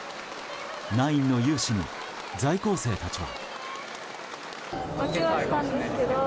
ナインの雄姿に在校生たちは。